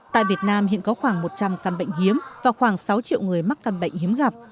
tại việt nam hiện có khoảng một trăm linh căn bệnh hiếm và khoảng sáu triệu người mắc căn bệnh hiếm gặp